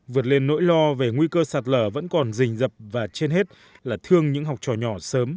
vượt lên nỗi lo về nguy cơ sạt lở vẫn còn rình dập và trên hết là thương những học trò nhỏ sớm